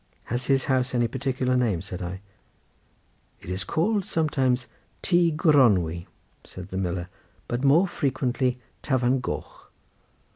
"Has his house any particular name?" said I. "It is called sometimes Tŷ Gronwy," said the miller; "but more frequently Tafarn Goch."